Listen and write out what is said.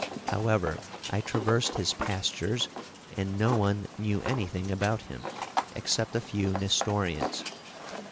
However, I traversed his pastures, and no one knew anything about him, except a few Nestorians.